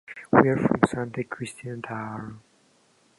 We are from Santa Cristina d’Aro.